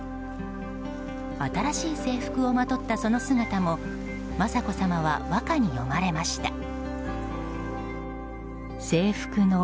新しい制服をまとったその姿も雅子さまは和歌に詠まれました。